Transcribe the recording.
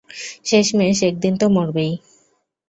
শেষমেশ, একদিন তো মরবেই।